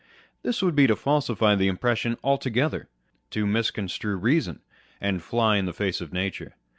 This would be to falsify the impression altogether, to misconstrue reason, and fly in the face of nature.